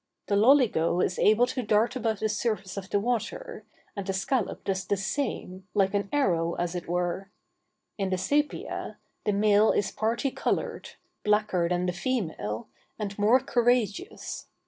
The loligo is also able to dart above the surface of the water, and the scallop does the same, like an arrow as it were. In the sæpia, the male is parti colored, blacker than the female, and more courageous.